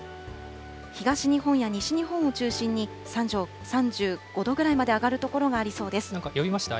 東日本や西日本を中心に３５度ぐらいまで上がる所がありそうです。